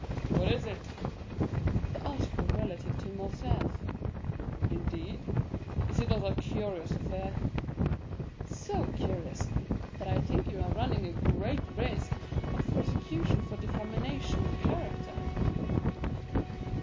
"What is it?" "The article relative to Morcerf." "Indeed? Is it not a curious affair?" "So curious, that I think you are running a great risk of a prosecution for defamation of character."